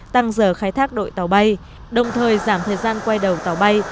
tăng giờ khai thác đội tàu bay đồng thời giảm thời gian quay đầu tàu bay